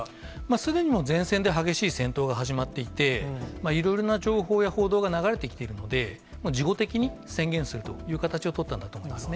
すでに、もう前線で激しい戦闘が始まっていて、いろいろな情報や報道が流れてきているので、事後的に、宣言するという形を取ったんだと思いますね。